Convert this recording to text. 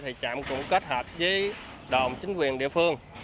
thì trạm cũng kết hợp với đồn chính quyền địa phương